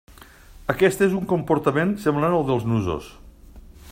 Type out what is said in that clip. Aquest és un comportament semblant al dels nusos.